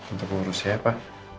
untuk urusnya ya pak